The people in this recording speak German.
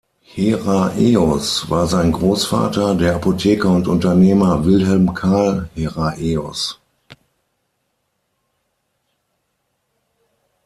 Heraeus war sein Großvater, der Apotheker und Unternehmer Wilhelm Carl Heraeus.